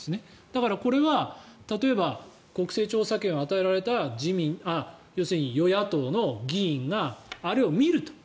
だからこれは例えば、国政調査権を与えられた要するに与野党の議員があれを見ると。